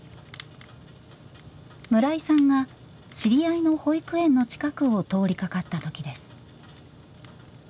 村井さんが知り合いの保育園の近くを通りかかった時です。